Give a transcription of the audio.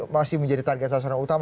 masih menjadi target sasaran utama